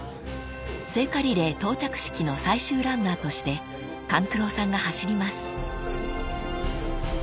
［聖火リレー到着式の最終ランナーとして勘九郎さんが走ります］